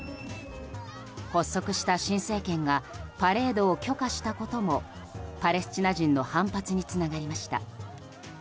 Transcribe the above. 発足した新政権がパレードを許可したこともパレスチナ人の反発につながりました。